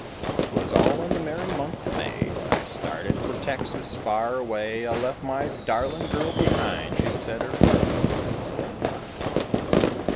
'Twas all in the merry month of May When I started for Texas far away, I left my darling girl behind, She said her heart was only mine.